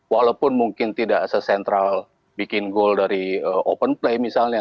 walaupun mungkin tidak sesentral bikin goal dari open play misalnya